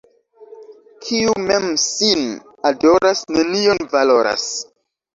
Kiu mem sin adoras, nenion valoras.